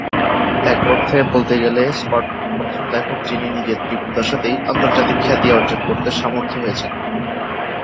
এক অর্থে বলতে গেলে স্কট প্রথম লেখক যিনি নিজের জীবদ্দশাতেই আন্তর্জাতিক খ্যাতি অর্জন করতে সমর্থ হয়েছেন।